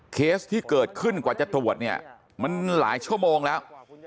เคสที่เกิดขึ้นกว่าจะตรวจเนี่ยมันหลายชั่วโมงแล้ว